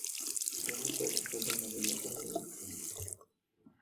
তিনি তাদের প্রধান অভিনেতা হয়ে ওঠেন।